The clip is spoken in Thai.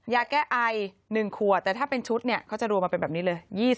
ยาแก้ไอ๑ขวดแต่ถ้าเป็นชุดเนี่ยเขาจะรวมมาเป็นแบบนี้เลย